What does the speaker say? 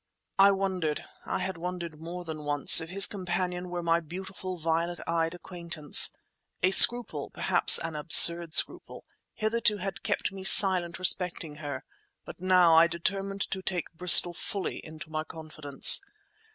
I wondered, I had wondered more than once, if his companion were my beautiful violet eyed acquaintance. A scruple—perhaps an absurd scruple—hitherto had kept me silent respecting her, but now I determined to take Bristol fully into my confidence.